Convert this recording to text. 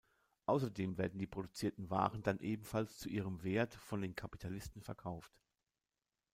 Außerdem werden die produzierten Waren dann ebenfalls zu ihrem Wert von den Kapitalisten verkauft.